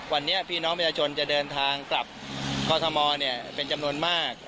วันนี้พี่น้องมีชนจะเดินทางกลับทศมเนี่ยเป็นจำนวนมาก